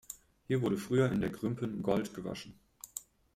Hier wurde früher in der Grümpen Gold gewaschen.